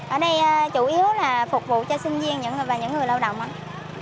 ở đây chủ yếu là phục vụ cho sinh viên và những người lao động